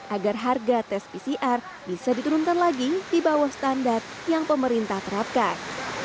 agar harga tes pcr bisa diturunkan lagi di bawah standar yang pemerintah terapkan